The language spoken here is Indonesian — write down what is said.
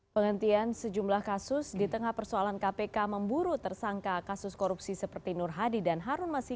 penghentian sejumlah kasus di tengah persoalan kpk memburu tersangka kasus korupsi seperti nur hadi dan harun masif